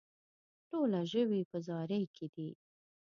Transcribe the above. ټوله ژوي په زاري کې دي.